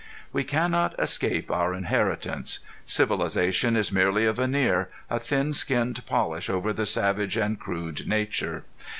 We cannot escape our inheritance. Civilization is merely a veneer, a thin skinned polish over the savage and crude nature.